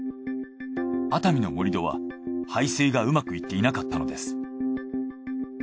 熱海の盛り土は排水がうまくいっていなかったのです。